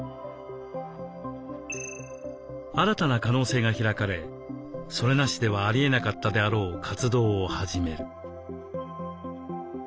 新たな可能性が開かれそれなしではありえなかったであろう活動を始める。